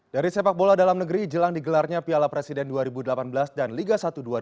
dari sepak bola dalam negeri jelang digelarnya piala presiden dua ribu delapan belas dan liga satu dua ribu delapan belas